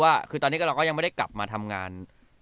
ว่าคือตอนนี้เราก็ยังไม่ได้กลับมาทำงาน